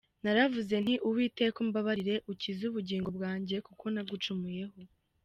Naravuze nti “Uwiteka umbabarire, Ukize ubugingo bwanjye kuko nagucumuyeho.”